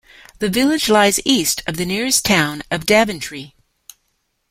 The village lies east of the nearest town of Daventry.